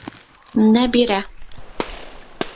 Нәбирә